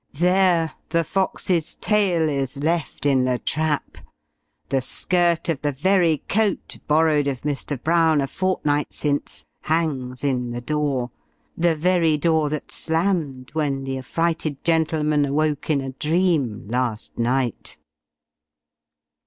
There the fox's tail is left in the trap the skirt of the very coat, borrowed of Mr. Brown, a fortnight since, hangs in the door, the very door that slammed, when the affrighted gentleman awoke in a dream, last night.